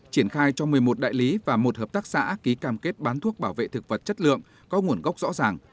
triển khai cho một mươi một đại lý và một hợp tác xã ký cam kết bán thuốc bảo vệ thực vật chất lượng có nguồn gốc rõ ràng